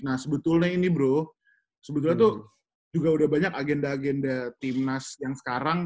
nah sebetulnya ini bro sebetulnya tuh juga udah banyak agenda agenda timnas yang sekarang